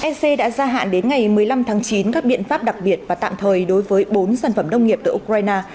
ec đã gia hạn đến ngày một mươi năm tháng chín các biện pháp đặc biệt và tạm thời đối với bốn sản phẩm nông nghiệp từ ukraine